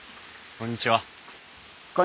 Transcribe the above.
こんにちは。